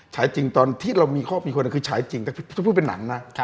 จริงตอนที่เรามีข้อมีคนคือฉายจริงแต่ถ้าพูดเป็นหนังนะ